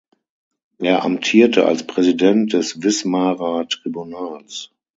Er amtierte als Präsident des Wismarer Tribunals.